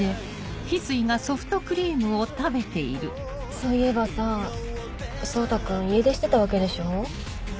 そういえばさ蒼汰君家出してたわけでしょ？